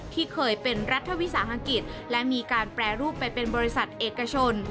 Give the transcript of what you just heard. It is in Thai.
ที่เคยเป็นรัฐวิสาหกิจและมีการแปรรูปไปเป็นบริษัทเอกชน